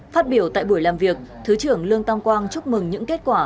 phát biểu tại buổi làm việc thứ trưởng lương tam quang chúc mừng những kết quả